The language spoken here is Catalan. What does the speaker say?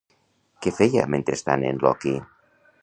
Què feia mentrestant en Loki?